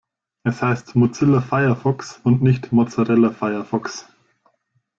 Es heißt Mozilla Firefox und nicht Mozzarella Firefox.